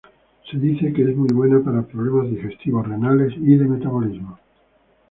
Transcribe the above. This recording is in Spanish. Se dice que es muy buena para problemas digestivos, renales y de metabolismo.